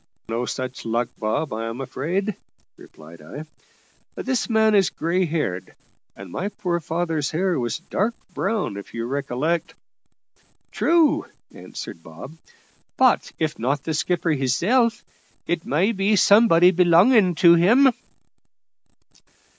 "No such luck, Bob, I am afraid," replied I; "this man is grey haired, and my poor father's hair was dark brown, if you recollect." "True," answered Bob; "but if not the skipper hisself, it may be somebody belonging to him."